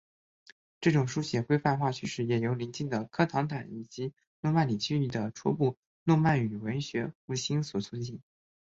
这种书写规范化趋势也由临近的科唐坦以及诺曼底区域的初步诺曼语文学复兴所促进。